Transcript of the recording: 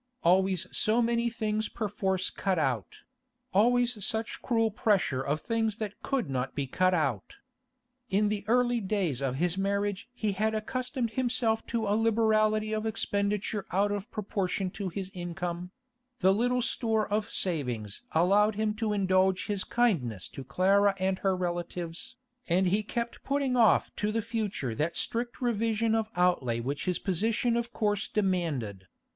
Always so many things perforce cut out; always such cruel pressure of things that could not be cut out. In the early days of his marriage he had accustomed himself to a liberality of expenditure out of proportion to his income; the little store of savings allowed him to indulge his kindness to Clara and her relatives, and he kept putting off to the future that strict revision of outlay which his position of course demanded.